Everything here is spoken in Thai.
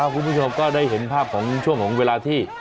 คุณผู้ชมก็ได้เห็นภาพของช่วงของเวลาที่